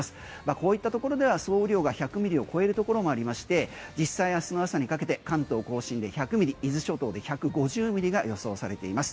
こういったところでは総雨量が１００ミリを超えるところもありまして実際明日の朝にかけて関東甲信で１００ミリ伊豆諸島で１５０ミリが予想されています。